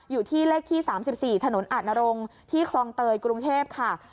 อยู่ที่เลขที่๓๔ถนนอาจนรงค์ที่คลองเตยกรุงเทพค่ะ